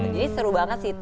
jadi seru banget sih